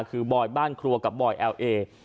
คือบอยบ้านครัวกับบอยแอลเอ